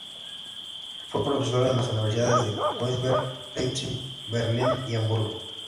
Fue profesor en las universidades de Königsberg, Leipzig, Berlín y Hamburgo.